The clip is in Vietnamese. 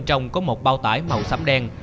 bên trong có một bao tải màu xám đen